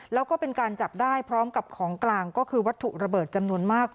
แล้วก็เป็นการจับได้พร้อมกับของกลางก็คือวัตถุระเบิดจำนวนมาก